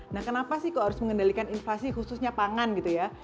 nah kenapa sih kok harus mengendalikan inflasi khususnya pangan gitu ya